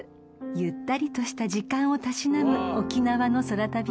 ［ゆったりとした時間をたしなむ沖縄の空旅です］